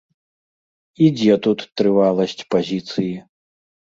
І дзе тут трываласць пазіцыі?